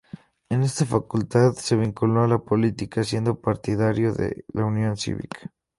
En esta facultad se vinculó a la política, siendo partidario de la Unión Cívica.